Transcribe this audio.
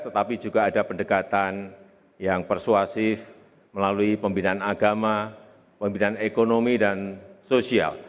tetapi juga ada pendekatan yang persuasif melalui pembinaan agama pembinaan ekonomi dan sosial